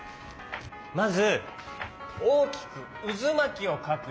まずおおきくうずまきをかくよ。